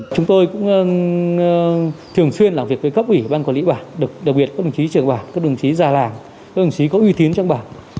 chúng tôi cũng thường xuyên làm việc với cấp ủy ban quản lý bản đặc biệt các đồng chí trưởng bản các đồng chí già làng các đồng chí có uy tín trong bản